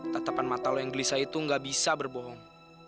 tatapan mata lo yang gelisah itu gak bisa berbohong